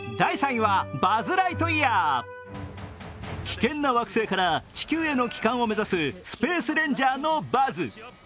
危険な惑星から地球への帰還を目指すスペースレンジャーのバズ。